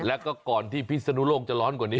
แล้วก็ก่อนที่พิศนุโลกจะร้อนกว่านี้